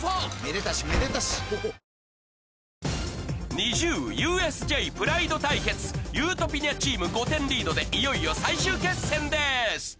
ＮｉｚｉＵＵＳＪプライド対決ゆーとぴにゃチーム５点リードでいよいよ最終決戦です